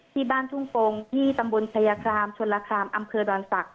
ที่บ้านทุ่งกงที่ตำบลชายครามชนราคามอำเภอดอนศักดิ